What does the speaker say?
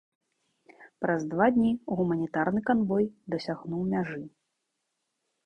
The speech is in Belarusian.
Праз два дні гуманітарны канвой дасягнуў мяжы.